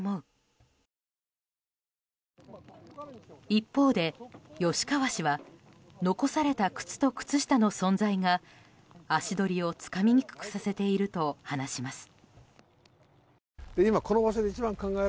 一方で吉川氏は残された靴と靴下の存在が足取りをつかみにくくさせていると話します。